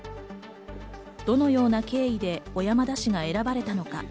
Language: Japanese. どのような経緯で小山田氏が選ばれたのか。